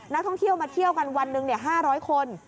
นักท่องเที่ยวมาเที่ยวกันวันหนึ่ง๕๐๐คน